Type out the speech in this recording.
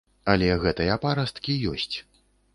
Але гэтыя парасткі ёсць.